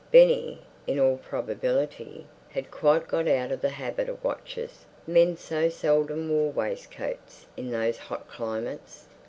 Benny, in all probability, had quite got out of the habit of watches; men so seldom wore waistcoats in those hot climates.